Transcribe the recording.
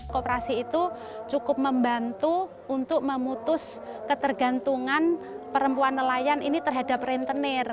kooperasi itu cukup membantu untuk memutus ketergantungan perempuan nelayan ini terhadap rentenir